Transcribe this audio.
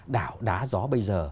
đảo đá gió bây giờ